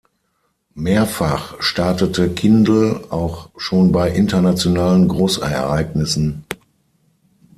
Mehrfach startete Kindl auch schon bei internationalen Großereignissen.